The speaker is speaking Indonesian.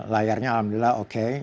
layarnya alhamdulillah oke